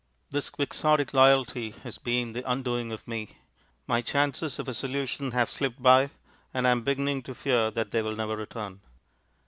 This quixotic loyalty has been the undoing of me; my chances of a solution have slipped by, and I am beginning to fear that they will never return.